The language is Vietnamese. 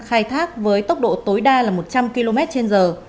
khai thác với tốc độ tối đa là một trăm linh km trên giờ